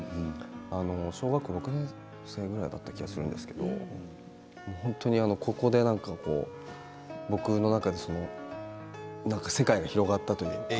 小学校６年生ぐらいだった気がするんですけど本当に、ここで僕の中でなんか世界が広がったというか。